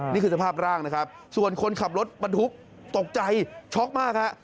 นี่คือสภาพร่างนะครับส่วนคนขับรถบรรทุกตกใจช็อกมากฮะ